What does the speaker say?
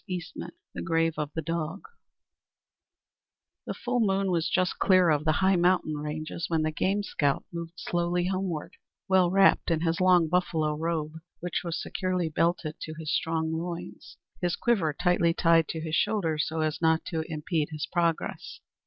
VII THE GRAVE OF THE DOG The full moon was just clear of the high mountain ranges when the game scout moved slowly homeward, well wrapped in his long buffalo robe, which was securely belted to his strong loins; his quiver tightly tied to his shoulders so as not to impede his progress.